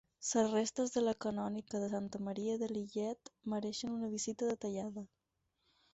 Les restes de la canònica de Santa Maria de Lillet mereixen una visita detallada.